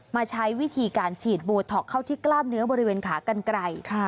มาใช้วิธีการฉีดโบท็อกเข้าที่กล้ามเนื้อบริเวณขากันไกล